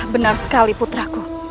benar sekali putraku